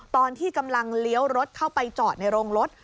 ตอนที่กำลังเลี้ยวรถเข้าไปจอดในโรงรถ